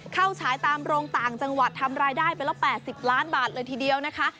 ฉายตามโรงต่างจังหวัดทำรายได้ไปแล้ว๘๐ล้านบาทเลยทีเดียวนะคะ